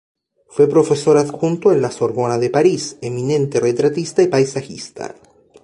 Fue profesor adjunto en La Sorbona de París, eminente retratista y paisajista.